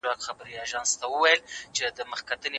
حیات الله په خپله کړکۍ کې د قمرۍ د صبر او استقامت ننداره کوله.